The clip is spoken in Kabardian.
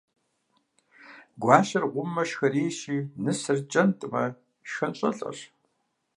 Гуащэр гъуммэ, шхэрейщи, нысэр кӀэнтӀмэ, шхын щӀэлӀэщ.